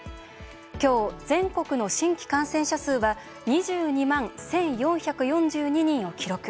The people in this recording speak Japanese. きょう、全国の新規感染者数は２２万１４４２人を記録。